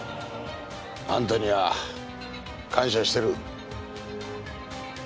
あんたには感謝してる。